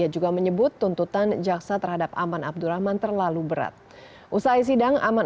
juga menyebut tuntutan jaksa terhadap aman abdurrahman terlalu berat usai sidang aman